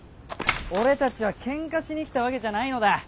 俺たちはケンカしに来たわけじゃないのだ。